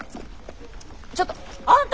ちょっとあんた！